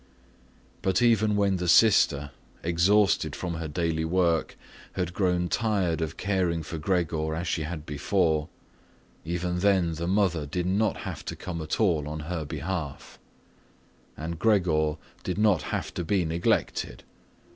But even when the sister, exhausted from her daily work, had grown tired of caring for Gregor as she had before, even then the mother did not have to come at all on her behalf. And Gregor did not have to be neglected.